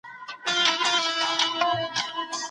مدیتیشن د ذهن د ارامښت کیلي ده.